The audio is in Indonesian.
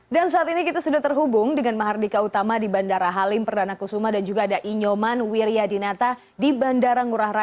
saat ini kita sudah terhubung dengan mahardika utama di bandara halim perdana kusuma dan juga ada inyoman wiryadinata di bandara ngurah rai